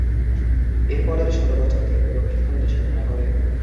এরপরের ষোল বছর তিনি দক্ষিণ ভারতে সাধনা করেন।